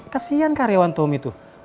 kesian karyawan tommy tuh